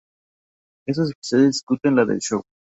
Estos episodios discuten la del show.